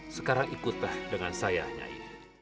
sekarang ikutlah dengan saya